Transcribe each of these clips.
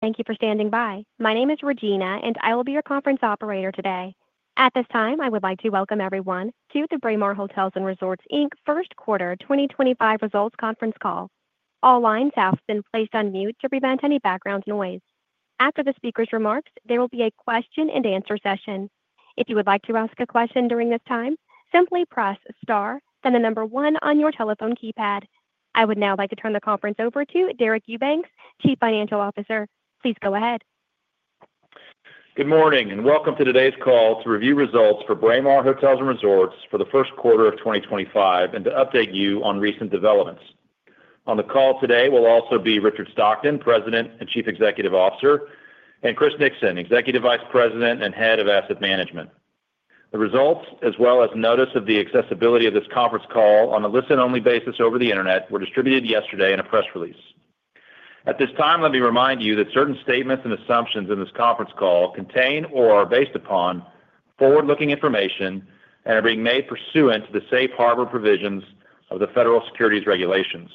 Thank you for standing by. My name is Regina, and I will be your conference operator today. At this time, I would like to welcome everyone to the Braemar Hotels & Resorts First Quarter 2025 Results Conference Call. All lines have been placed on mute to prevent any background noise. After the speaker's remarks, there will be a question-and-answer session. If you would like to ask a question during this time, simply press star, then the number one on your telephone keypad. I would now like to turn the conference over to Deric Eubanks, Chief Financial Officer. Please go ahead. Good morning, and welcome to today's call to review results for Braemar Hotels & Resorts for the first quarter of 2025 and to update you on recent developments. On the call today will also be Richard Stockton, President and Chief Executive Officer, and Chris Nixon, Executive Vice President and Head of Asset Management. The results, as well as notice of the accessibility of this conference call on a listen-only basis over the internet, were distributed yesterday in a press release. At this time, let me remind you that certain statements and assumptions in this conference call contain or are based upon forward-looking information and are being made pursuant to the safe harbor provisions of the federal securities regulations.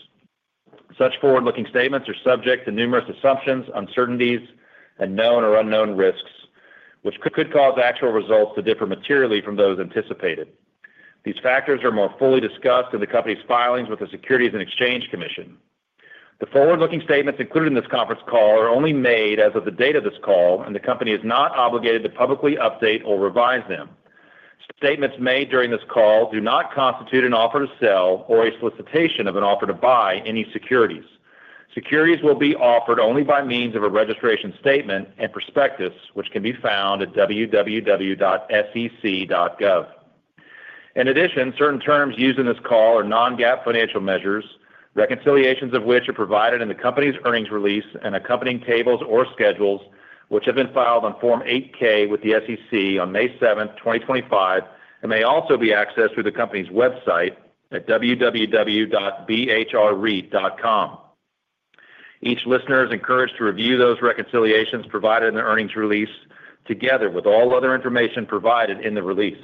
Such forward-looking statements are subject to numerous assumptions, uncertainties, and known or unknown risks, which could cause actual results to differ materially from those anticipated. These factors are more fully discussed in the company's filings with the Securities and Exchange Commission. The forward-looking statements included in this conference call are only made as of the date of this call, and the company is not obligated to publicly update or revise them. Statements made during this call do not constitute an offer to sell or a solicitation of an offer to buy any securities. Securities will be offered only by means of a registration statement and prospectus, which can be found at www.sec.gov. In addition, certain terms used in this call are non-GAAP financial measures, reconciliations of which are provided in the company's earnings release and accompanying tables or schedules, which have been filed on Form 8-K with the SEC on May 7, 2025, and may also be accessed through the company's website at www.bhrr.com. Each listener is encouraged to review those reconciliations provided in the earnings release together with all other information provided in the release.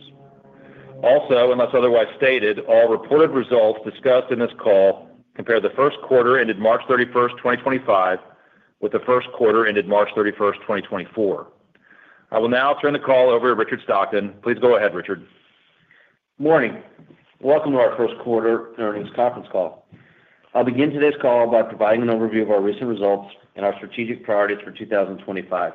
Also, unless otherwise stated, all reported results discussed in this call compare the first quarter ended March 31, 2025, with the first quarter ended March 31, 2024. I will now turn the call over to Richard Stockton. Please go ahead, Richard. Morning. Welcome to our first quarter earnings conference call. I'll begin today's call by providing an overview of our recent results and our strategic priorities for 2025.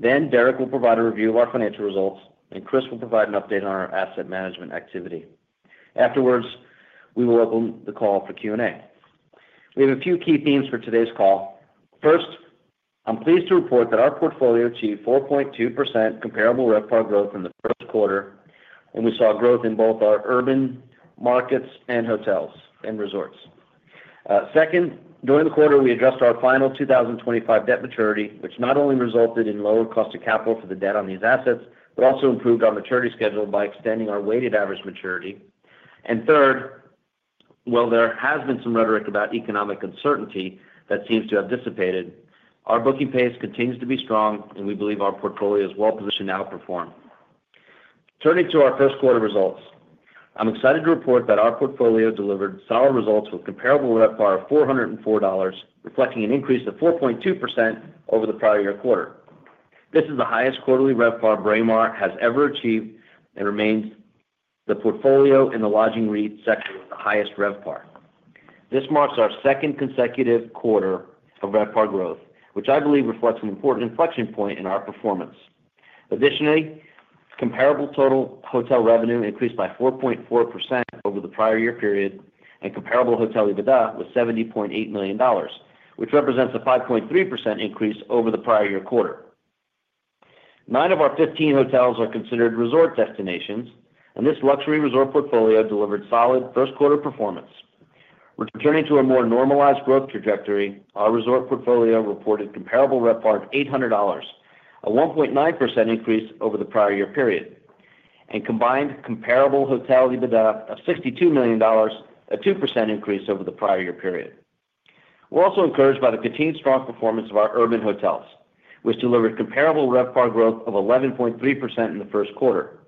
Deric will provide a review of our financial results, and Chris will provide an update on our asset management activity. Afterwards, we will open the call for Q&A. We have a few key themes for today's call. First, I'm pleased to report that our portfolio achieved 4.2% comparable RevPAR growth in the first quarter, and we saw growth in both our urban markets and hotels and resorts. Second, during the quarter, we addressed our final 2025 debt maturity, which not only resulted in lower cost of capital for the debt on these assets, but also improved our maturity schedule by extending our weighted average maturity. Third, while there has been some rhetoric about economic uncertainty that seems to have dissipated, our booking pace continues to be strong, and we believe our portfolio is well-positioned to outperform. Turning to our first quarter results, I'm excited to report that our portfolio delivered solid results with comparable RevPAR of $404, reflecting an increase of 4.2% over the prior year quarter. This is the highest quarterly RevPAR Braemar has ever achieved and remains the portfolio in the lodging REIT section with the highest RevPAR. This marks our second consecutive quarter of RevPAR growth, which I believe reflects an important inflection point in our performance. Additionally, comparable total hotel revenue increased by 4.4% over the prior year period, and comparable hotel EBITDA was $70.8 million, which represents a 5.3% increase over the prior year quarter. Nine of our 15 hotels are considered resort destinations, and this luxury resort portfolio delivered solid first quarter performance. Returning to a more normalized growth trajectory, our resort portfolio reported comparable RevPAR of $800, a 1.9% increase over the prior year period, and combined comparable hotel EBITDA of $62 million, a 2% increase over the prior year period. We're also encouraged by the continued strong performance of our urban hotels, which delivered comparable RevPAR growth of 11.3% in the first quarter.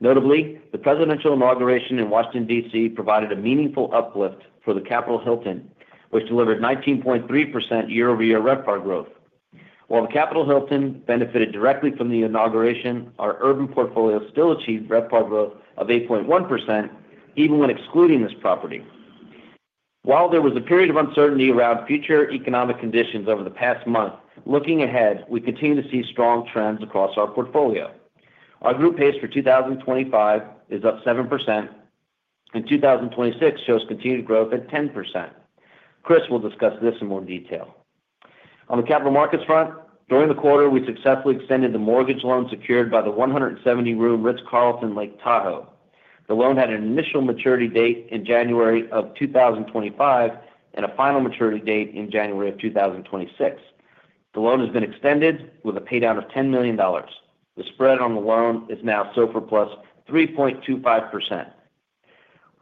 Notably, the presidential inauguration in Washington, D.C., provided a meaningful uplift for the Capitol Hilton, which delivered 19.3% year-over-year RevPAR growth. While the Capitol Hilton benefited directly from the inauguration, our urban portfolio still achieved RevPAR growth of 8.1%, even when excluding this property. While there was a period of uncertainty around future economic conditions over the past month, looking ahead, we continue to see strong trends across our portfolio. Our group pace for 2025 is up 7%, and 2026 shows continued growth at 10%. Chris will discuss this in more detail. On the capital markets front, during the quarter, we successfully extended the mortgage loan secured by the 170-room Ritz-Carlton Lake Tahoe. The loan had an initial maturity date in January of 2025 and a final maturity date in January of 2026. The loan has been extended with a paydown of $10 million. The spread on the loan is now SOFR plus 3.25%.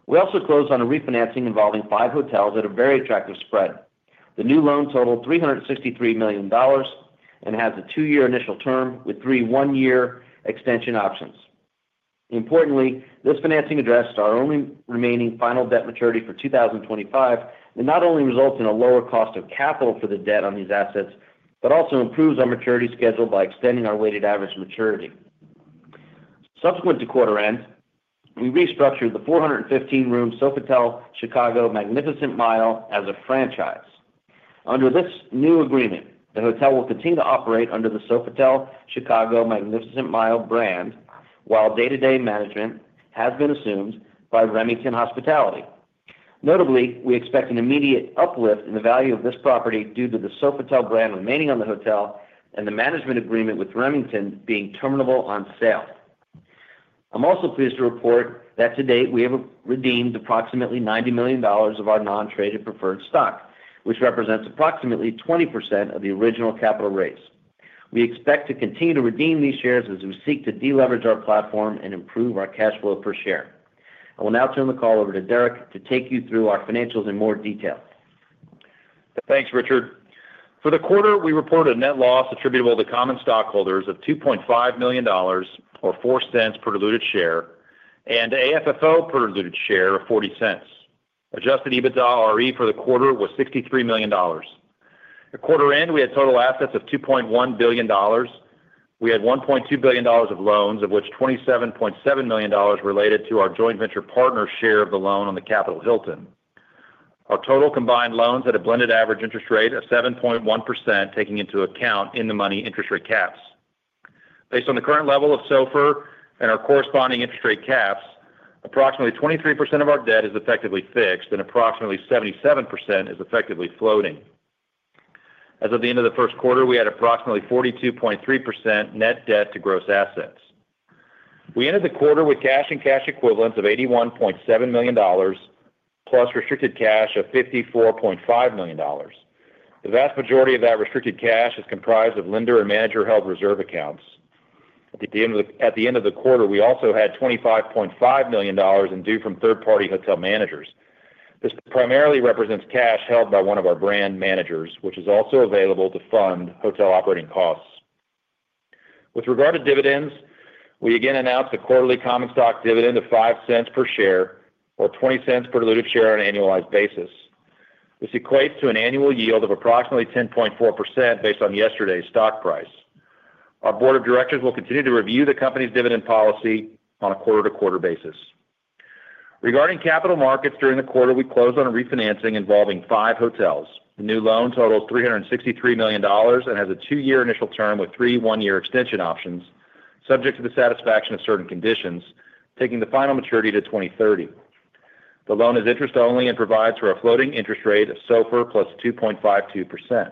We also closed on a refinancing involving five hotels at a very attractive spread. The new loan totaled $363 million and has a two-year initial term with three one-year extension options. Importantly, this financing addressed our only remaining final debt maturity for 2025, and it not only results in a lower cost of capital for the debt on these assets, but also improves our maturity schedule by extending our weighted average maturity. Subsequent to quarter end, we restructured the 415-room Sofitel Chicago Magnificent Mile as a franchise. Under this new agreement, the hotel will continue to operate under the Sofitel Chicago Magnificent Mile brand, while day-to-day management has been assumed by Remington Hospitality. Notably, we expect an immediate uplift in the value of this property due to the Sofitel brand remaining on the hotel and the management agreement with Remington being terminable on sale. I'm also pleased to report that to date we have redeemed approximately $90 million of our non-traded preferred stock, which represents approximately 20% of the original capital raise. We expect to continue to redeem these shares as we seek to deleverage our platform and improve our cash flow per share. I will now turn the call over to Deric to take you through our financials in more detail. Thanks, Richard. For the quarter, we reported a net loss attributable to common stockholders of $2.5 million or $0.04 per diluted share and AFFO per diluted share of $0.40. Adjusted EBITDA RE for the quarter was $63 million. At quarter end, we had total assets of $2.1 billion. We had $1.2 billion of loans, of which $27.7 million related to our joint venture partner share of the loan on the Capitol Hilton. Our total combined loans had a blended average interest rate of 7.1%, taking into account in-the-money interest rate caps. Based on the current level of SOFR and our corresponding interest rate caps, approximately 23% of our debt is effectively fixed and approximately 77% is effectively floating. As of the end of the first quarter, we had approximately 42.3% net debt to gross assets. We ended the quarter with cash and cash equivalents of $81.7 million plus restricted cash of $54.5 million. The vast majority of that restricted cash is comprised of lender and manager held reserve accounts. At the end of the quarter, we also had $25.5 million in due from third-party hotel managers. This primarily represents cash held by one of our brand managers, which is also available to fund hotel operating costs. With regard to dividends, we again announced a quarterly common stock dividend of $0.05 per share or $0.20 per diluted share on an annualized basis. This equates to an annual yield of approximately 10.4% based on yesterday's stock price. Our board of directors will continue to review the company's dividend policy on a quarter-to-quarter basis. Regarding capital markets, during the quarter, we closed on a refinancing involving five hotels. The new loan totals $363 million and has a two-year initial term with three one-year extension options, subject to the satisfaction of certain conditions, taking the final maturity to 2030. The loan is interest-only and provides for a floating interest rate of SOFR plus 2.52%.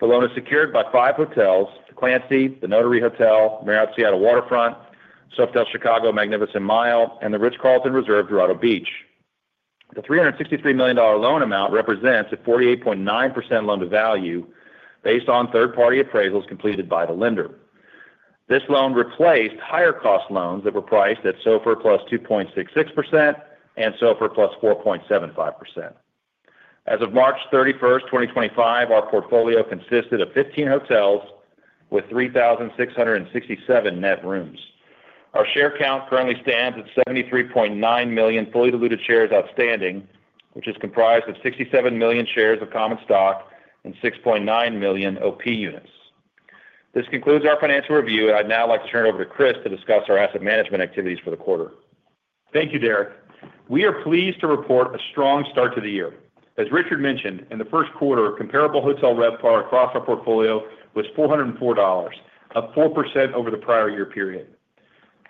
The loan is secured by five hotels: the Clancy, the Notary Hotel, Marriott Seattle Waterfront, Sofitel Chicago Magnificent Mile, and the Ritz-Carlton Reserve Dorado Beach. The $363 million loan amount represents a 48.9% loan to value based on third-party appraisals completed by the lender. This loan replaced higher-cost loans that were priced at SOFR plus 2.66% and SOFR plus 4.75%. As of March 31, 2025, our portfolio consisted of 15 hotels with 3,667 net rooms. Our share count currently stands at 73.9 million fully diluted shares outstanding, which is comprised of 67 million shares of common stock and 6.9 million OP units. This concludes our financial review, and I'd now like to turn it over to Chris to discuss our asset management activities for the quarter. Thank you, Deric. We are pleased to report a strong start to the year. As Richard mentioned, in the first quarter, comparable hotel RevPAR across our portfolio was $404, up 4% over the prior year period.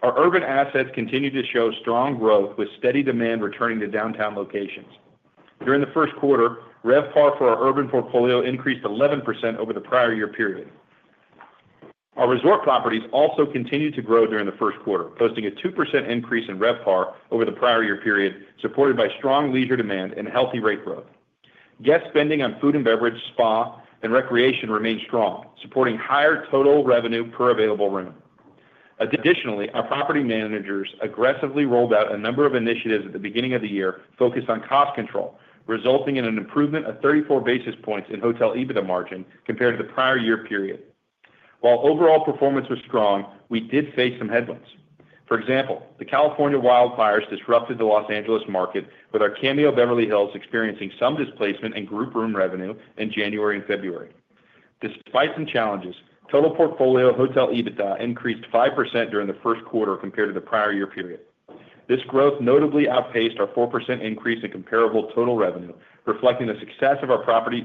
Our urban assets continue to show strong growth with steady demand returning to downtown locations. During the first quarter, RevPAR for our urban portfolio increased 11% over the prior year period. Our resort properties also continued to grow during the first quarter, posting a 2% increase in RevPAR over the prior year period, supported by strong leisure demand and healthy rate growth. Guest spending on food and beverage, spa, and recreation remained strong, supporting higher total revenue per available room. Additionally, our property managers aggressively rolled out a number of initiatives at the beginning of the year focused on cost control, resulting in an improvement of 34 basis points in hotel EBITDA margin compared to the prior year period. While overall performance was strong, we did face some headwinds. For example, the California wildfires disrupted the Los Angeles market, with our Cameo Beverly Hills experiencing some displacement in group room revenue in January and February. Despite some challenges, total portfolio hotel EBITDA increased 5% during the first quarter compared to the prior year period. This growth notably outpaced our 4% increase in comparable total revenue, reflecting the success our property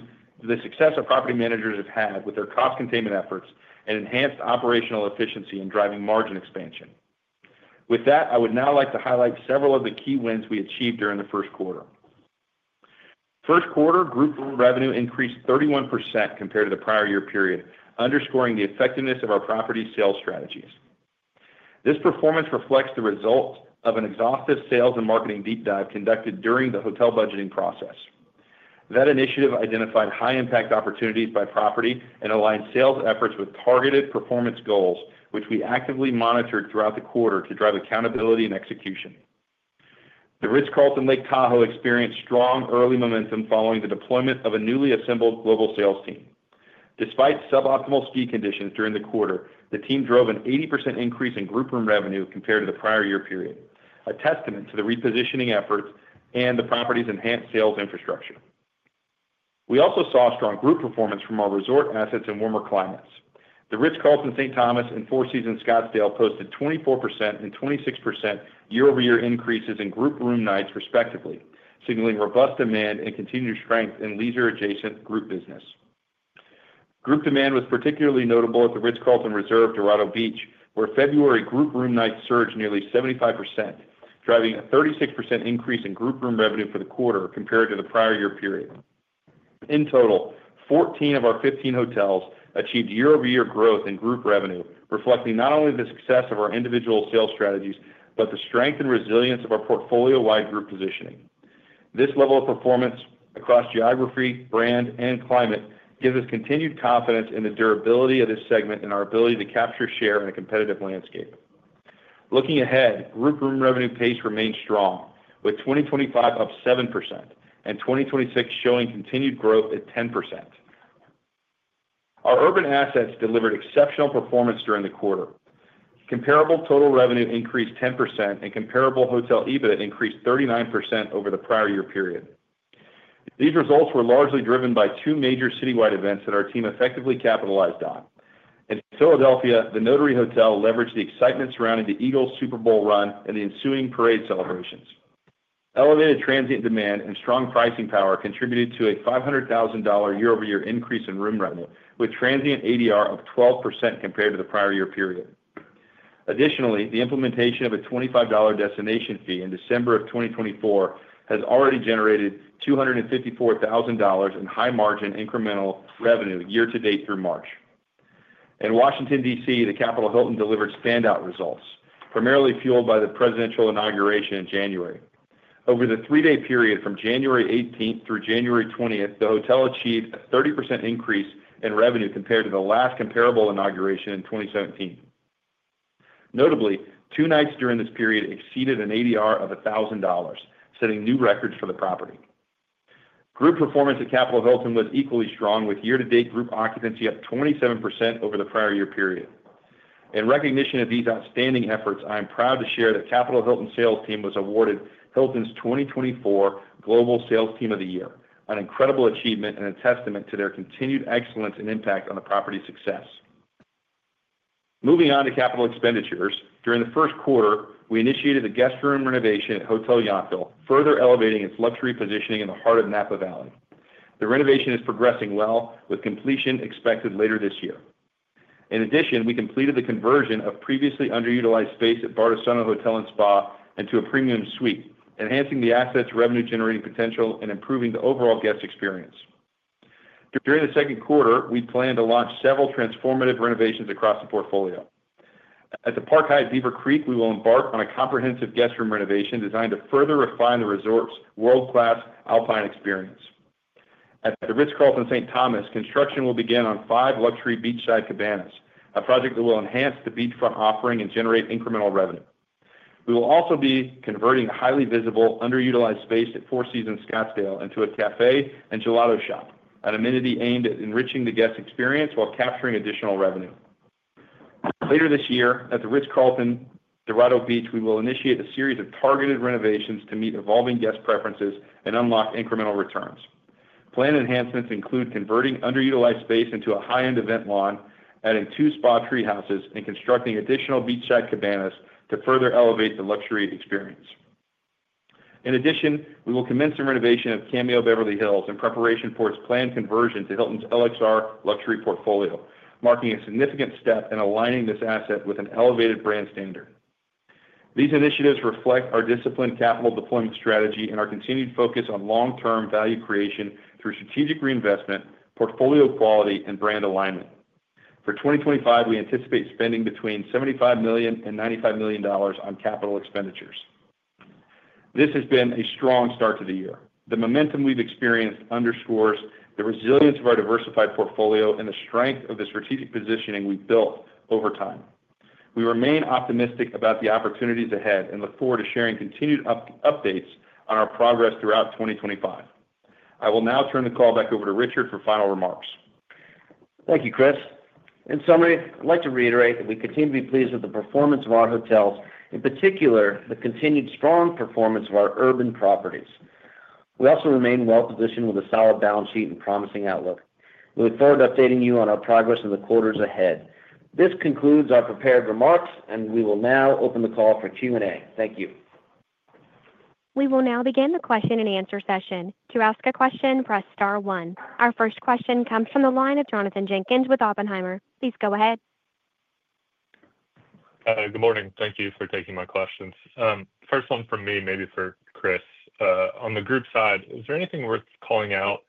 managers have had with their cost containment efforts and enhanced operational efficiency in driving margin expansion. With that, I would now like to highlight several of the key wins we achieved during the first quarter. First quarter, group revenue increased 31% compared to the prior year period, underscoring the effectiveness of our property sales strategies. This performance reflects the result of an exhaustive sales and marketing deep dive conducted during the hotel budgeting process. That initiative identified high-impact opportunities by property and aligned sales efforts with targeted performance goals, which we actively monitored throughout the quarter to drive accountability and execution. The Ritz-Carlton Lake Tahoe experienced strong early momentum following the deployment of a newly assembled global sales team. Despite suboptimal ski conditions during the quarter, the team drove an 80% increase in group room revenue compared to the prior year period, a testament to the repositioning efforts and the property's enhanced sales infrastructure. We also saw strong group performance from our resort assets in warmer climates. The Ritz-Carlton St. Thomas and Four Seasons Scottsdale posted 24% and 26% year-over-year increases in group room nights, respectively, signaling robust demand and continued strength in leisure-adjacent group business. Group demand was particularly notable at the Ritz-Carlton Reserve Dorado Beach, where February group room nights surged nearly 75%, driving a 36% increase in group room revenue for the quarter compared to the prior year period. In total, 14 of our 15 hotels achieved year-over-year growth in group revenue, reflecting not only the success of our individual sales strategies but the strength and resilience of our portfolio-wide group positioning. This level of performance across geography, brand, and climate gives us continued confidence in the durability of this segment and our ability to capture share in a competitive landscape. Looking ahead, group room revenue pace remains strong, with 2025 up 7% and 2026 showing continued growth at 10%. Our urban assets delivered exceptional performance during the quarter. Comparable total revenue increased 10%, and comparable hotel EBITDA increased 39% over the prior year period. These results were largely driven by two major citywide events that our team effectively capitalized on. In Philadelphia, the Notary Hotel leveraged the excitement surrounding the Eagles Super Bowl run and the ensuing parade celebrations. Elevated transient demand and strong pricing power contributed to a $500,000 year-over-year increase in room revenue, with transient ADR of 12% compared to the prior year period. Additionally, the implementation of a $25 destination fee in December 2024 has already generated $254,000 in high-margin incremental revenue year-to-date through March. In Washington, D.C., the Capitol Hilton delivered standout results, primarily fueled by the presidential inauguration in January. Over the three-day period from January 18th through January 20th, the hotel achieved a 30% increase in revenue compared to the last comparable inauguration in 2017. Notably, two nights during this period exceeded an ADR of $1,000, setting new records for the property. Group performance at Capitol Hilton was equally strong, with year-to-date group occupancy up 27% over the prior year period. In recognition of these outstanding efforts, I am proud to share that Capitol Hilton sales team was awarded Hilton's 2024 Global Sales Team of the Year, an incredible achievement and a testament to their continued excellence and impact on the property's success. Moving on to capital expenditures, during the first quarter, we initiated the guest room renovation at Hotel Yountville, further elevating its luxury positioning in the heart of Napa Valley. The renovation is progressing well, with completion expected later this year. In addition, we completed the conversion of previously underutilized space at Bardessono Hotel and Spa into a premium suite, enhancing the asset's revenue-generating potential and improving the overall guest experience. During the second quarter, we plan to launch several transformative renovations across the portfolio. At the Park Hyatt Beaver Creek, we will embark on a comprehensive guest room renovation designed to further refine the resort's world-class alpine experience. At the Ritz-Carlton St. Thomas, construction will begin on five luxury beachside cabanas, a project that will enhance the beachfront offering and generate incremental revenue. We will also be converting the highly visible underutilized space at Four Seasons Scottsdale into a café and gelato shop, an amenity aimed at enriching the guest experience while capturing additional revenue. Later this year, at the Ritz-Carlton Dorado Beach, we will initiate a series of targeted renovations to meet evolving guest preferences and unlock incremental returns. Planned enhancements include converting underutilized space into a high-end event lawn, adding two spa treehouses, and constructing additional beachside cabanas to further elevate the luxury experience. In addition, we will commence the renovation of Cameo Beverly Hills in preparation for its planned conversion to Hilton's LXR luxury portfolio, marking a significant step in aligning this asset with an elevated brand standard. These initiatives reflect our disciplined capital deployment strategy and our continued focus on long-term value creation through strategic reinvestment, portfolio quality, and brand alignment. For 2025, we anticipate spending between $75 million and $95 million on capital expenditures. This has been a strong start to the year. The momentum we've experienced underscores the resilience of our diversified portfolio and the strength of the strategic positioning we've built over time. We remain optimistic about the opportunities ahead and look forward to sharing continued updates on our progress throughout 2025. I will now turn the call back over to Richard for final remarks. Thank you, Chris. In summary, I'd like to reiterate that we continue to be pleased with the performance of our hotels, in particular the continued strong performance of our urban properties. We also remain well-positioned with a solid balance sheet and promising outlook. We look forward to updating you on our progress in the quarters ahead. This concludes our prepared remarks, and we will now open the call for Q&A. Thank you. We will now begin the question-and-answer session. To ask a question, press star one. Our first question comes from the line of Jonathan Jenkins with Oppenheimer. Please go ahead. Good morning. Thank you for taking my questions. First one for me, maybe for Chris. On the group side, is there anything worth calling out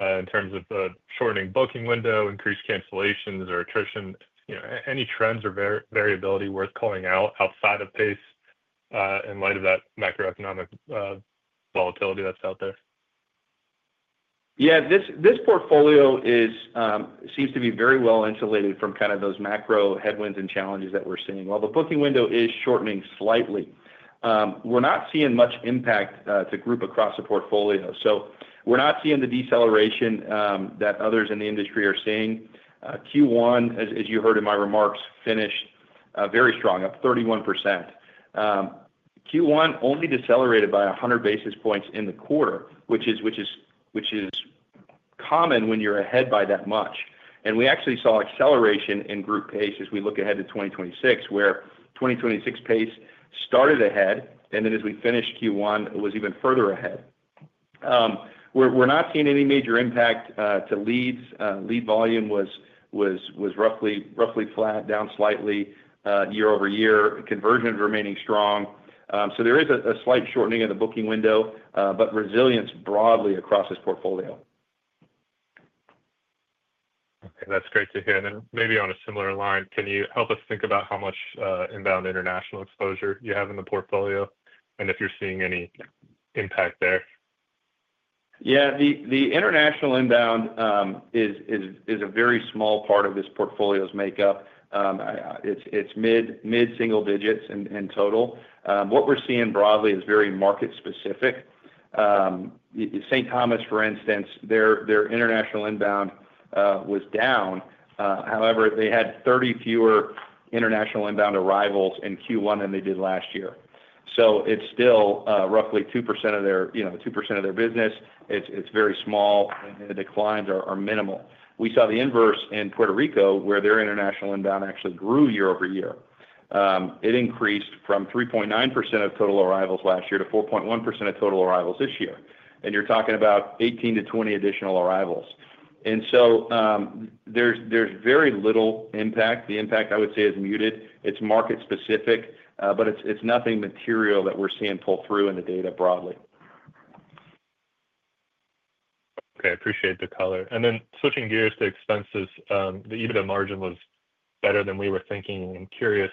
in terms of shortening booking window, increased cancellations, or attrition? Any trends or variability worth calling out outside of pace in light of that macroeconomic volatility that's out there? Yeah. This portfolio seems to be very well-insulated from kind of those macro headwinds and challenges that we're seeing. While the booking window is shortening slightly, we're not seeing much impact to group across the portfolio. We're not seeing the deceleration that others in the industry are seeing. Q1, as you heard in my remarks, finished very strong, up 31%. Q1 only decelerated by 100 basis points in the quarter, which is common when you're ahead by that much. We actually saw acceleration in group pace as we look ahead to 2026, where 2026 pace started ahead, and then as we finished Q1, it was even further ahead. We're not seeing any major impact to leads. Lead volume was roughly flat, down slightly year-over-year. Conversion is remaining strong. There is a slight shortening of the booking window, but resilience broadly across this portfolio. Okay. That's great to hear. Maybe on a similar line, can you help us think about how much inbound international exposure you have in the portfolio and if you're seeing any impact there? Yeah. The international inbound is a very small part of this portfolio's makeup. It's mid-single digits in total. What we're seeing broadly is very market-specific. St. Thomas, for instance, their international inbound was down. However, they had 30 fewer international inbound arrivals in Q1 than they did last year. It's still roughly 2% of their business. It's very small, and the declines are minimal. We saw the inverse in Puerto Rico, where their international inbound actually grew year-over-year. It increased from 3.9% of total arrivals last year to 4.1% of total arrivals this year. You're talking about 18-20 additional arrivals. There's very little impact. The impact, I would say, is muted. It's market-specific, but it's nothing material that we're seeing pull through in the data broadly. Okay. I appreciate the color. Switching gears to expenses, the EBITDA margin was better than we were thinking. I'm curious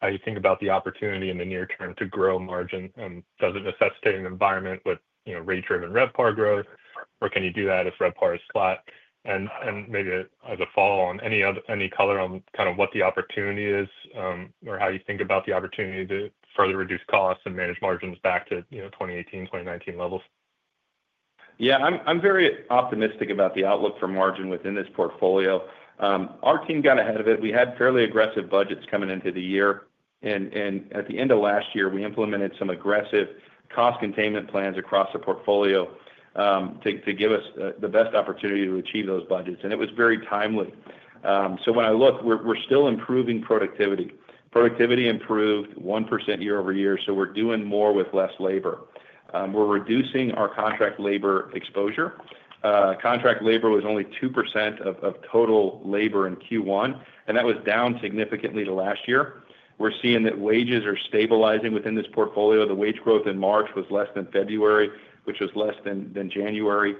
how you think about the opportunity in the near term to grow margin. Does it necessitate an environment with rate-driven RevPAR growth, or can you do that if RevPAR is flat? Maybe as a follow-on, any color on kind of what the opportunity is or how you think about the opportunity to further reduce costs and manage margins back to 2018, 2019 levels? Yeah. I'm very optimistic about the outlook for margin within this portfolio. Our team got ahead of it. We had fairly aggressive budgets coming into the year. At the end of last year, we implemented some aggressive cost containment plans across the portfolio to give us the best opportunity to achieve those budgets. It was very timely. When I look, we're still improving productivity. Productivity improved 1% year-over-year, so we're doing more with less labor. We're reducing our contract labor exposure. Contract labor was only 2% of total labor in Q1, and that was down significantly to last year. We're seeing that wages are stabilizing within this portfolio. The wage growth in March was less than February, which was less than January.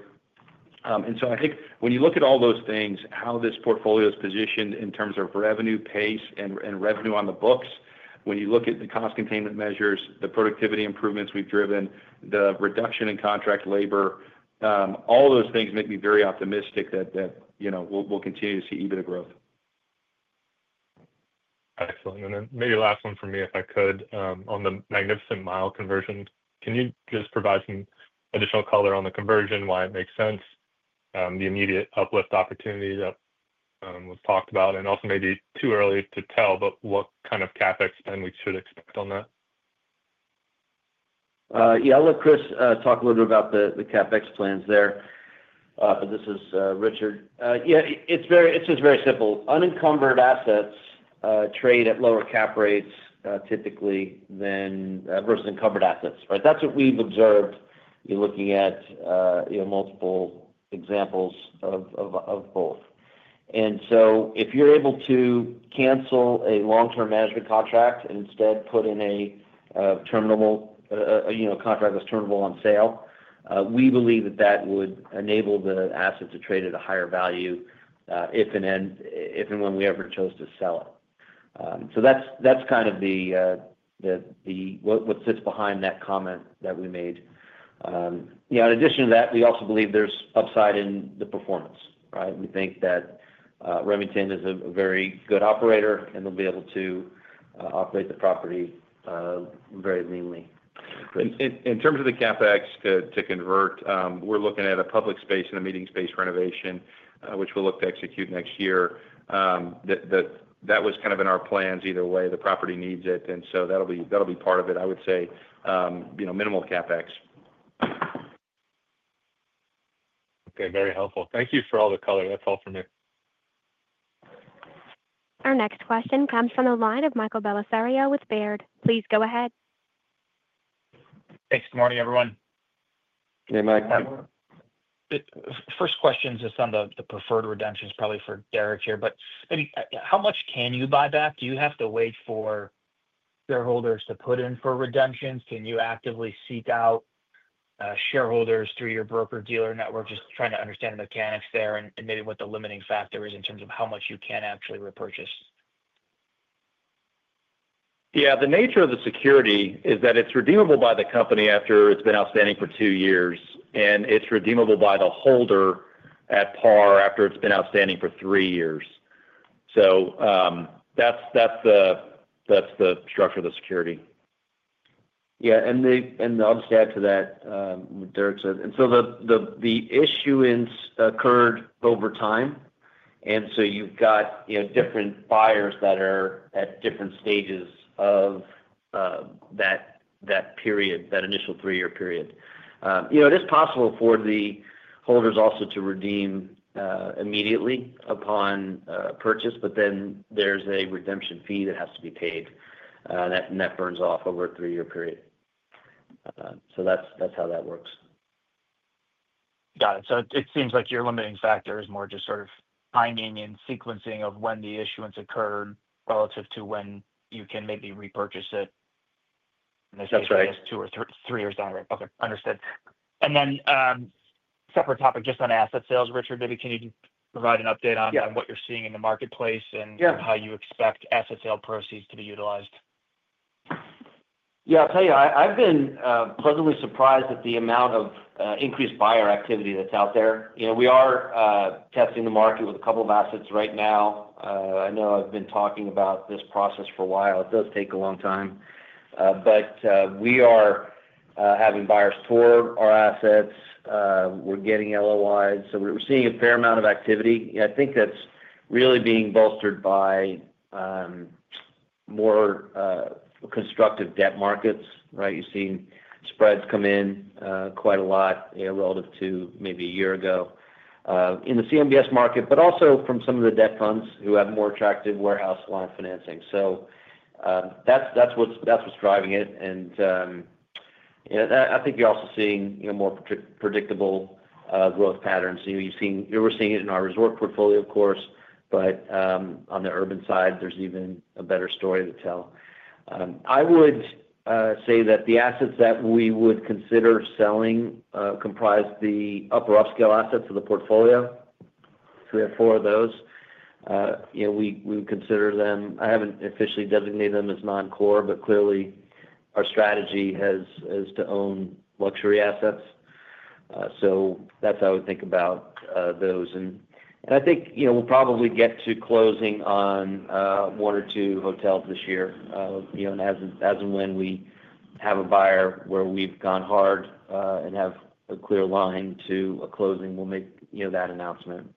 I think when you look at all those things, how this portfolio is positioned in terms of revenue pace and revenue on the books, when you look at the cost containment measures, the productivity improvements we've driven, the reduction in contract labor, all of those things make me very optimistic that we'll continue to see EBITDA growth. Excellent. Maybe last one for me, if I could. On the Magnificent Mile conversion, can you just provide some additional color on the conversion, why it makes sense, the immediate uplift opportunity that was talked about, and also maybe too early to tell, but what kind of CapEx spend we should expect on that? Yeah. I'll let Chris talk a little bit about the CapEx plans there. This is Richard. Yeah. It's just very simple. Unencumbered assets trade at lower cap rates typically than versus encumbered assets. That's what we've observed looking at multiple examples of both. If you're able to cancel a long-term management contract and instead put in a contract that's turnable on sale, we believe that that would enable the asset to trade at a higher value if and when we ever chose to sell it. That's kind of what sits behind that comment that we made. Yeah. In addition to that, we also believe there's upside in the performance. We think that Remington is a very good operator, and they'll be able to operate the property very leanly. In terms of the CapEx to convert, we're looking at a public space and a meeting space renovation, which we'll look to execute next year. That was kind of in our plans either way. The property needs it, and so that'll be part of it, I would say, minimal CapEx. Okay. Very helpful. Thank you for all the color. That's all for me. Our next question comes from the line of Michael Bellisario with Baird. Please go ahead. Hey. Good morning, everyone. Hey, Mike. First question is just on the preferred redemptions, probably for Deric here. But maybe how much can you buy back? Do you have to wait for shareholders to put in for redemptions? Can you actively seek out shareholders through your broker-dealer network, just trying to understand the mechanics there and maybe what the limiting factor is in terms of how much you can actually repurchase? Yeah. The nature of the security is that it's redeemable by the company after it's been outstanding for two years, and it's redeemable by the holder at par after it's been outstanding for three years. That's the structure of the security. Yeah. I'll just add to that what Deric said. The issuance occurred over time, and you've got different buyers that are at different stages of that period, that initial three-year period. It is possible for the holders also to redeem immediately upon purchase, but then there's a redemption fee that has to be paid, and that burns off over a three-year period. That's how that works. Got it. It seems like your limiting factor is more just sort of timing and sequencing of when the issuance occurred relative to when you can maybe repurchase it in the same place, two or three years down the road. Okay. Understood. Separate topic, just on asset sales, Richard, maybe can you provide an update on what you're seeing in the marketplace and how you expect asset sale proceeds to be utilized? Yeah. I'll tell you, I've been pleasantly surprised at the amount of increased buyer activity that's out there. We are testing the market with a couple of assets right now. I know I've been talking about this process for a while. It does take a long time. We are having buyers tour our assets. We're getting LOIs. We are seeing a fair amount of activity. I think that's really being bolstered by more constructive debt markets. You've seen spreads come in quite a lot relative to maybe a year ago in the CMBS market, but also from some of the debt funds who have more attractive warehouse line financing. That's what's driving it. I think you're also seeing more predictable growth patterns. We're seeing it in our resort portfolio, of course, but on the urban side, there's even a better story to tell. I would say that the assets that we would consider selling comprise the upper upscale assets of the portfolio. We have four of those. We would consider them, I haven't officially designated them as non-core, but clearly our strategy is to own luxury assets. That's how I would think about those. I think we'll probably get to closing on one or two hotels this year. As and when we have a buyer where we've gone hard and have a clear line to a closing, we'll make that announcement.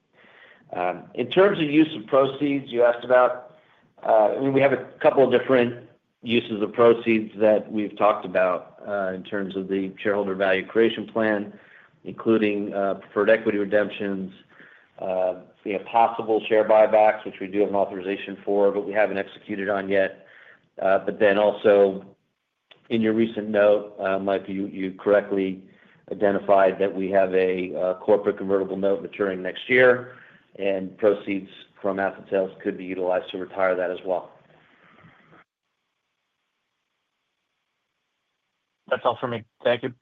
In terms of use of proceeds you asked about, I mean, we have a couple of different uses of proceeds that we've talked about in terms of the shareholder value creation plan, including preferred equity redemptions, possible share buybacks, which we do have an authorization for, but we haven't executed on yet. In your recent note, Mike, you correctly identified that we have a corporate convertible note maturing next year, and proceeds from asset sales could be utilized to retire that as well. That's all for me. Thank you.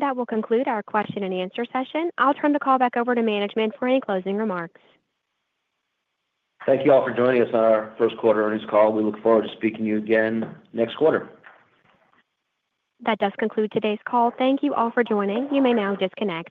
That will conclude our question-and-answer session. I'll turn the call back over to management for any closing remarks. Thank you all for joining us on our first quarter earnings call. We look forward to speaking to you again next quarter. That does conclude today's call. Thank you all for joining. You may now disconnect.